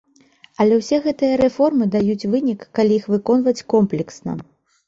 Але ўсе гэтыя рэформы даюць вынік, калі іх выконваць комплексна.